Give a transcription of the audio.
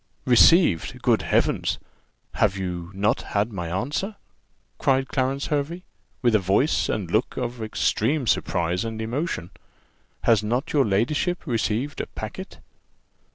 "Received! Good Heavens! have not you had my answer?" cried Clarence Hervey, with a voice and look of extreme surprise and emotion: "Has not your ladyship received a packet?"